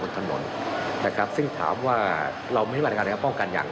ถนนนะครับซึ่งถามว่าเรามีมาตรการในการป้องกันอย่าง